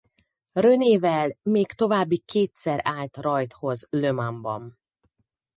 René-vel még további kétszer állt rajthoz Le Mans-ban.